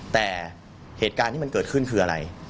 แต่เหตุการณ์ที่มันเกิดขึ้นคืออะไร